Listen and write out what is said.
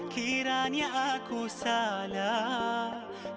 kiranya aku salah